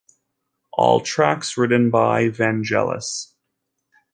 All tracks written by Vangelis.